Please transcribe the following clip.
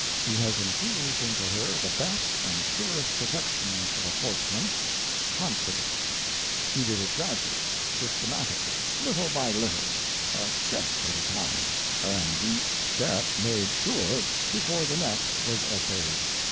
He has infused into her the best and surest protection of a horseman—confidence. He did it gradually, systematically, little by little, a step at a time, and each step made sure before the next was essayed.